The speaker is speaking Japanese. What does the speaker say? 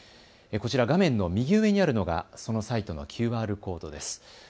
こちら画面の右上にあるのがそのサイトのＱＲコードです。